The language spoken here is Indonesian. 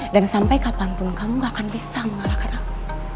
dan sampai kapanpun kamu gak akan bisa mengalahkan aku